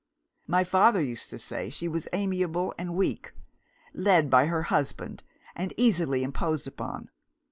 My father used to say that she was amiable and weak; led by her husband, and easily imposed upon.